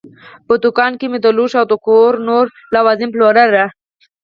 په دوکان کې مې د لوښو او د کور نور لوازم پلورل.